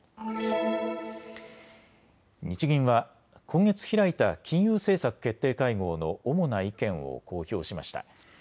日銀は今月開いた金融政策決定会合の主な意見を公表しました。